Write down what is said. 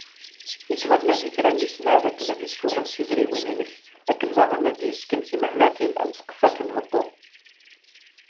Ittwarna deg kra n ismal akken ad isfuγel tirziwin inek , akken daγen ad d-yesken timahaltin am tqefalt n beṭṭu